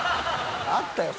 あったよ